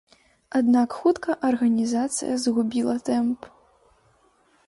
Аднак хутка арганізацыя згубіла тэмп.